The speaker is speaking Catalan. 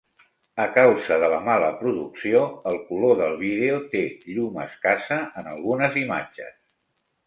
A causa de la mala producció, el color del vídeo té "llum escassa" en algunes imatges.